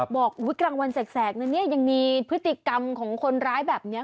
บอกวิกรังวันแสกเนี่ยยังมีพฤติกรรมของคนร้ายแบบเนี่ย